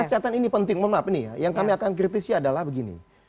kesehatan ini penting mohon maaf ini ya yang kami akan kritisi adalah begini